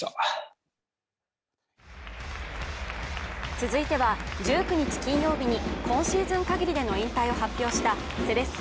続いては１９日金曜日に今シーズン限りでの引退を発表したセレッソ